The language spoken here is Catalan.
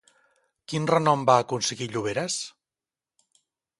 Quin renom va aconseguir Lluveras?